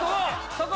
そこ！